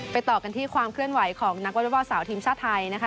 ต่อกันที่ความเคลื่อนไหวของนักวอเล็กบอลสาวทีมชาติไทยนะคะ